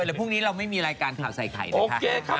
เดี๋ยวพรุ่งนี้เราไม่มีรายการข่าวใส่ไข่นะคะ